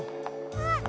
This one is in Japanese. あっ！